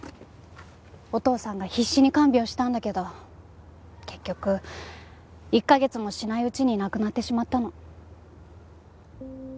お父さんが必死に看病したんだけど結局１カ月もしないうちに亡くなってしまったの。